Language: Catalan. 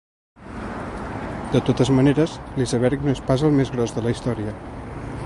De totes maneres, l’iceberg no és pas el més gros de la història.